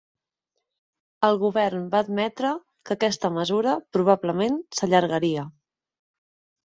El govern va admetre que aquesta mesura, probablement, s’allargaria.